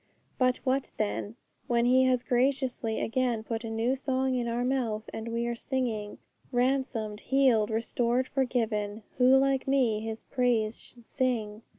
But what then? When He has graciously again put a new song in our mouth, and we are singing, 'Ransomed, healed, restored, forgiven, Who like me His praise should sing?'